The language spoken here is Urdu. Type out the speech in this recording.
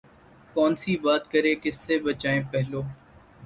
کون سی بات کریں کس سے بچائیں پہلو